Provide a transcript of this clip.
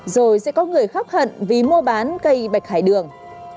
rồi sẽ có người khác hận vì mua bán cây bạch hải đường